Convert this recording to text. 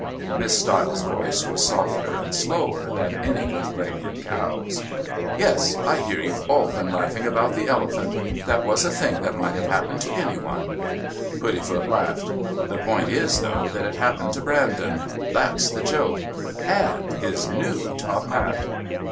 Miss Stiles' voice was softer and slower than any complaining cow's. "Yes. I hear you've all been laughing about the elephant. That was a thing that might have happened to any one." Puddifoot laughed. "The point is, though, that it happened to Brandon. That's the joke. And his new top hat."